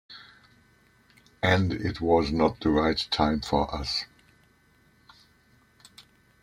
And it was not the right time... for us.